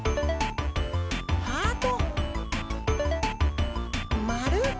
ハート！